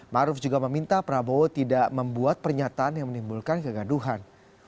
maruf juga meminta prabowo tidak membuat pernyataan yang menimbulkan kegaduhan